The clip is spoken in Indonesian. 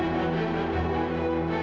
ambil kaki terhadap gue